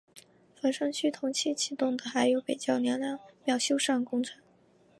房山区同期启动的还有北窖娘娘庙修缮工程。